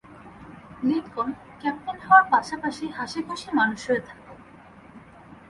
Lincoln, captain হওয়ার পাশাপাশি হাসিখুশি মানুষ হয়ে থাকো।